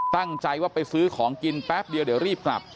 ตั้งใจว่าไปซื้อของกินแป๊บเดียวเดี๋ยวรีบกลับ